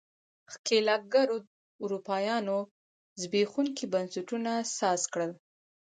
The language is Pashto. ښکېلاکګرو اروپایانو زبېښونکو بنسټونو ساز کړل.